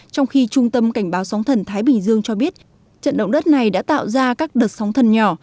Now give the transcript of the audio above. trong khi trung tâm cảnh báo sóng thần thái bình dương cho biết trận động đất này đã tạo ra các đợt sóng thần nhỏ